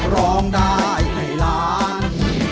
ร้องได้ไอล้าน